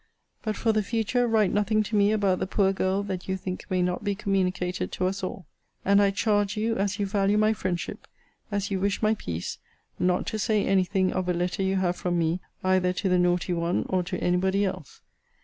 But, for the future, write nothing to me about the poor girl that you think may not be communicated to us all. And I charge you, as you value my friendship, as you wish my peace, not to say any thing of a letter you have from me, either to the naughty one, or to any body else.